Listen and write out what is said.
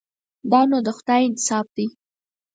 دا نو د خدای انصاف دی.